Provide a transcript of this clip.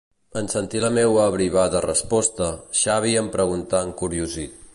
En sentir la meua abrivada resposta, Xavi em preguntà encuriosit.